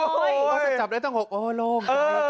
ก็จะจับได้ตั้ง๖โอ้โฮโฮโอ๊ค